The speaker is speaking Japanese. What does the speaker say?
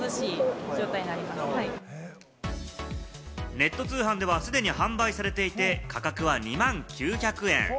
ネット通販では既に販売されていて、価格は２万９００円。